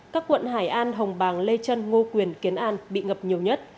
các quận hải an hồng bàng lê trân ngô quyền kiến an bị ngập nhiều nhất